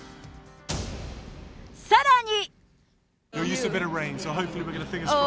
さらに。